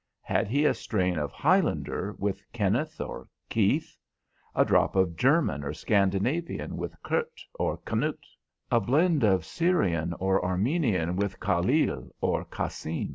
Had he a strain of Highlander with Kenneth or Keith; a drop of German or Scandinavian with Kurt or Knut; a blend of Syrian or Armenian with Kahalil or Kassim?